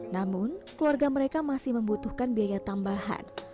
namun keluarga mereka masih membutuhkan biaya tambahan